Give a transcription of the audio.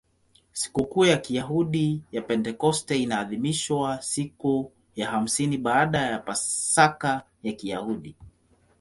Sikukuu ya Kiyahudi ya Pentekoste inaadhimishwa siku ya hamsini baada ya Pasaka ya Kiyahudi.